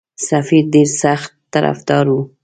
سفیر ډېر سخت طرفدار وو.